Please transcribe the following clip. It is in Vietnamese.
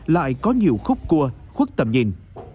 lại có nhiều khúc cua khuất tầm nhìn